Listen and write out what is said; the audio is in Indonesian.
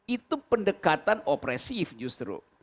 itu pendekatan opresif justru